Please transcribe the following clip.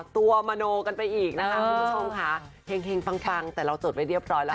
ตัวมโนกันไปอีกนะคะคุณผู้ชมค่ะเห็งปังแต่เราจดไว้เรียบร้อยแล้ว